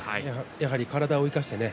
体を生かしてね。